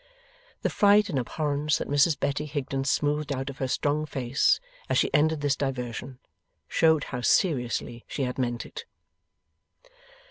The fright and abhorrence that Mrs Betty Higden smoothed out of her strong face as she ended this diversion, showed how seriously she had meant it.